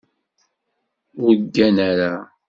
Ur ggan ara.